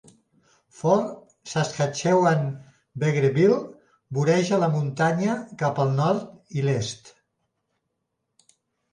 Fort Saskatchewan-Vegreville voreja la muntanya cap al nord i l'est.